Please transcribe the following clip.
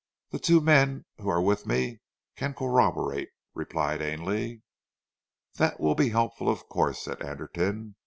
"The two men who are with me can corroborate," replied Ainley. "That will be helpful, of course," said Anderton.